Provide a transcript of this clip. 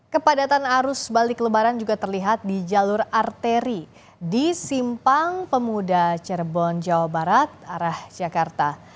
kepadatan arus balik lebaran juga terlihat di jalur arteri di simpang pemuda cirebon jawa barat arah jakarta